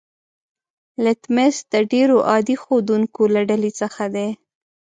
لتمس د ډیرو عادي ښودونکو له ډلې څخه دی.